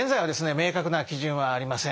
明確な基準はありません。